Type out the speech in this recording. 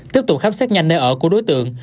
tiếp tục khám xét nhanh nơi ở của đối tượng